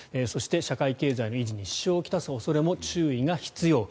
そして、社会経済の維持に支障をきたす恐れも注意が必要。